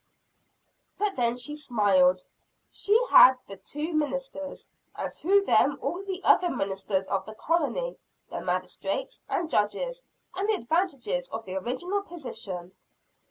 But then she smiled she had the two ministers, and through them all the other ministers of the colony the magistrates and judges and the advantages of the original position.